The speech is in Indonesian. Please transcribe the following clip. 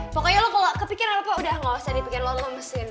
pokoknya lo kalau kepikiran apa udah gak usah dipikirin lo lemesin